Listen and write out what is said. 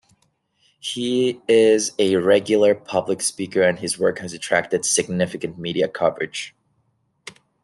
He is a regular public speaker and his work has attracted significant media coverage.